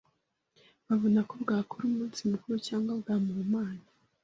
babona ko bwakora umunsi muntu cyangwa bwamuhumanya.